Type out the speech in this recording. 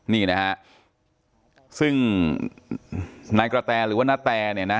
นี่นะฮะซึ่งนายกระแตหรือว่านาแตเนี่ยนะ